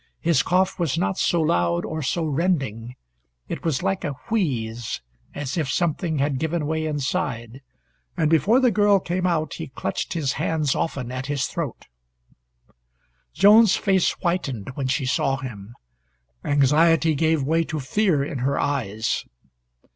His cough was not so loud or so rending. It was like a wheeze, as if something had given way inside, and before the girl came out he clutched his hands often at his throat. Joan's face whitened when she saw him. Anxiety gave way to fear in her eyes.